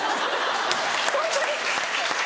ホントに。